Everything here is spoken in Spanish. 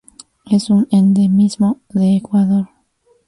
Es un endemismo de Ecuador.